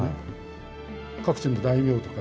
各地の大名とかですね